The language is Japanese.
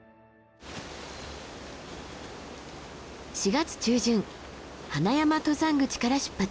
４月中旬花山登山口から出発。